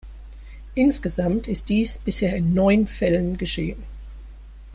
Insgesamt ist dies bisher in neun Fällen geschehen.